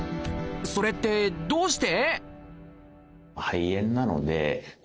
それってどうして？